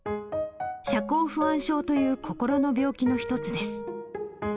社交不安症という心の病気の一つです。